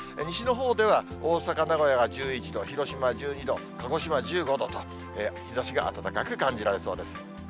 西のほうでは大阪、名古屋が１１度、広島１２度、鹿児島１５度と、日ざしが暖かく感じられそうです。